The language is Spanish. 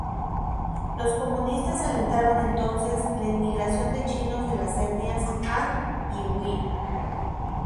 Los comunistas alentaron entonces la inmigración de chinos de las etnias han y hui.